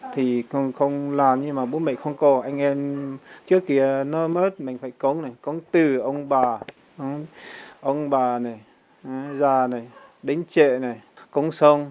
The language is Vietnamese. thì không làm nhưng mà bún mẩy không có anh em trước kia nó mất mình phải cống này cống từ ông bà ông bà này già này đến trệ này cống xong